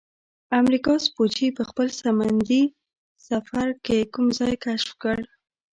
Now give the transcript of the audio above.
امریکا سپوچي په خپل سمندي سفر کې کوم ځای کشف کړ؟